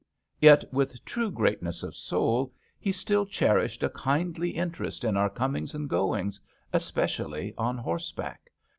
Yet with true greatness of soul he still cherished a kindly interest in our comings and goings, especially on horseback.